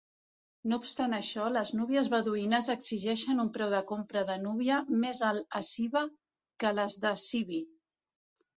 No obstant això, les núvies beduïnes exigeixen un preu de compra de núvia més alt a Siwa que les de Siwi.